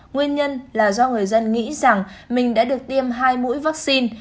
nguyên nhân là do người dân nghĩ rằng mình đã được tiêm hai mũi vaccine